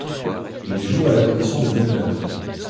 Il joue à la position de meneur.